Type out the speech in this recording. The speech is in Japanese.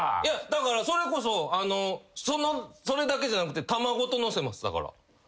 だからそれこそそれだけじゃなくて玉ごとのせますだから。